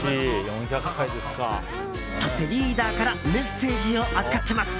そして、リーダーからメッセージを預かってます！